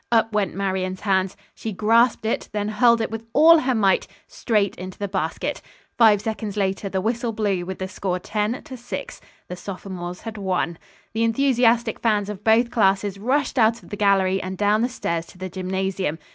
Up went Marian's hands. She grasped it, then hurled it with all her might, straight into the basket. Five seconds later the whistle blew, with the score 10 to 6. The sophomores had won. The enthusiastic fans of both classes rushed out of the gallery and down the stairs to the gymnasium.